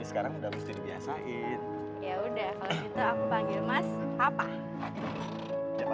sekarang kita manggilnya udah papa mama doang ya